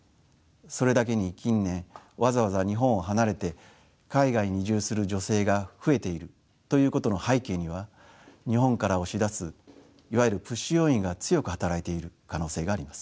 それだけに近年わざわざ日本を離れて海外に移住する女性が増えているということの背景には日本から押し出すいわゆるプッシュ要因が強く働いている可能性があります。